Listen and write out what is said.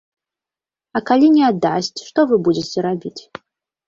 А калі не аддасць, што вы будзеце рабіць?